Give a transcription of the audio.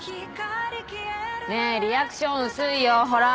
ねえリアクション薄いよほら。